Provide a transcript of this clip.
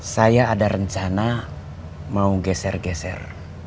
saya ada rencana mau geser geser